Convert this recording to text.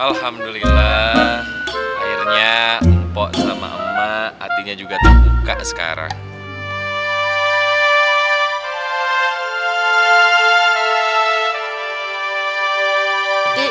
alhamdulillah airnya empok sama emak hatinya juga terbuka sekarang